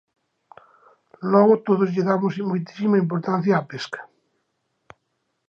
Logo todos lle dámos moitísima importancia á pesca.